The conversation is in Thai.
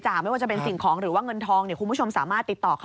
ใช่ค่ะพูดถึงเรื่องของการบริจาค